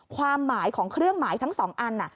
ความหมายของเครื่องหมายทั้ง๒อัน